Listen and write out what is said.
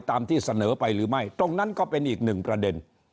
ตามที่เสนอไปหรือไม่ตรงนั้นก็เป็นอีกหนึ่งประเด็น